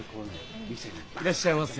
いらっしゃいませ。